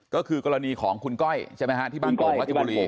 ก็คือกรณีของคุณก้อยใช่ไหมฮะที่บ้านกองรัชบุรี